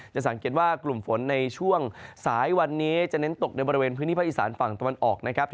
จะสังเกตว่ากลุ่มฝนในช่วงสายวันนี้จะเน้นตกในบริเวณพื้นที่ภาคอีสานฝั่งตะวันออกนะครับ